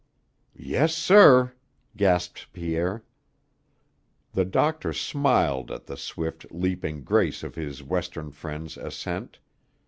"Yes, sir," gasped Pierre. The doctor smiled at the swift, leaping grace of his Western friend's ascent.